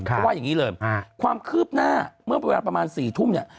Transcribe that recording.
เพราะว่าอย่างนี้เลยความคืบหน้าเมื่อเวลาประมาณ๔ทุ่มเนี่ย